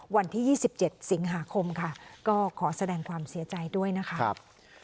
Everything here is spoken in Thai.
วันที่๒๗สิงหาคมค่ะก็ขอแสดงความเสียใจด้วยนะครับ